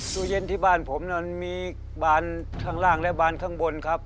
ตัวเลือดที่บ้านผมมีบานข้างล่างและบานข้างบนครับ